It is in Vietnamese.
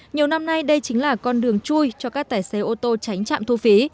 nhiều năm nay đây chính là con đường chui cho các tài xế ô tô tránh trạm thu phí